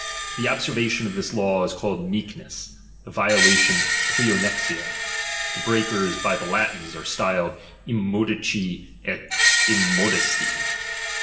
The obser vation of this law is called vieehiess, the violation irXfovfHia ; the breakers by the Latins are styled im modici et immodesti.